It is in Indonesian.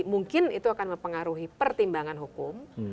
mungkin itu akan mempengaruhi pertimbangan hukum